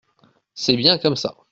C’est bien comme ça.